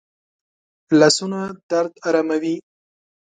لاسونه درد آراموي